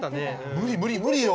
無理無理無理よ！